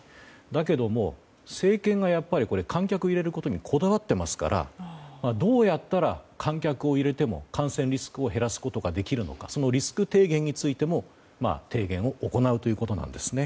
だけども政権が観客入れることにこだわっていますからどうやったら観客を入れても感染リスクを減らすことができるのかそのリスク低減についても提言を行うということなんです。